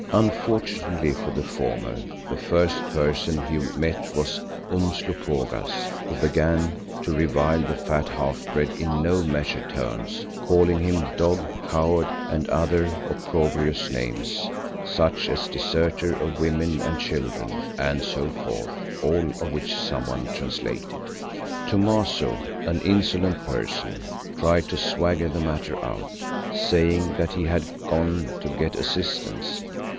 Unfortunately for the former the first person he met was Umslopogaas, who began to revile the fat half breed in no measured terms, calling him dog, coward, and other opprobrious names, such as deserter of women and children, and so forth—all of which someone translated. Thomaso, an insolent person, tried to swagger the matter out, saying that he had gone to get assistance.